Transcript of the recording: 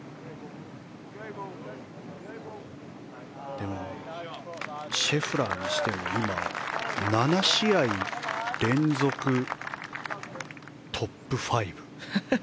でも、シェフラーにしても７試合連続トップ５。